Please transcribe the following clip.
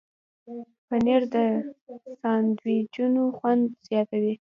پنېر د ساندویچونو خوند زیاتوي.